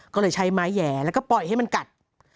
ก็เลยใช้ไม้แหย่แล้วก็ปล่อยให้มันกัด